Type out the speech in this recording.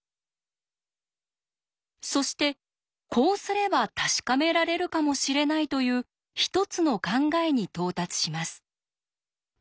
そしてこうすれば確かめられるかもしれないという一つの考えに到達します。